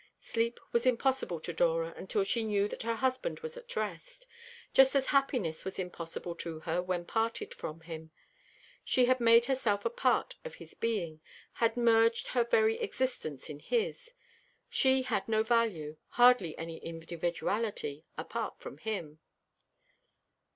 Sleep was impossible to Dora until she knew that her husband was at rest; just as happiness was impossible to her when parted from him. She had made herself a part of his being, had merged her very existence in his; she had no value, hardly any individuality, apart from him.